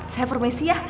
saya permisi ya